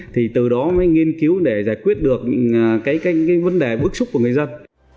thì từ đó mới nghiên cứu để giải quyết được những vấn đề bức xúc của người dân